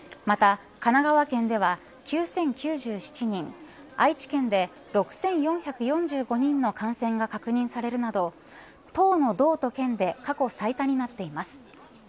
また、神奈川県では９０９７人愛知県で６４４５人の感染が確認されるなど１０の道と県で過去最多になっています。